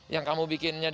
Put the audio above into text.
yang kamu bikinnya dari